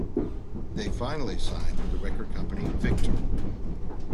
They finally signed with the record company Victor.